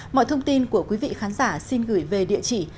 mọi thông tin của quý vị khán giả xin gửi về địa chỉ